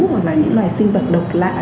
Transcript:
hoặc là những loài sinh vật độc lạ